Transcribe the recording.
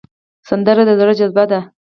سندره د زړه جذبه ده